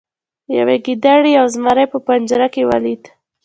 یوې ګیدړې یو زمری په پنجره کې ولید.